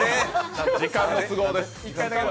時間の都合です。